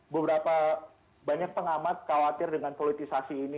beberapa banyak pengamat khawatir dengan politisasi ini